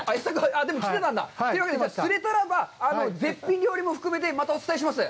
でも、来てたんだ？というわけで、釣れたらば絶品料理も含めてまたお伝えします。